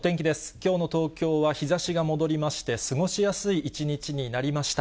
きょうの東京は日ざしが戻りまして、過ごしやすい一日になりました。